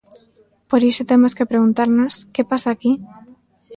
Por iso temos que preguntarnos, que pasa aquí?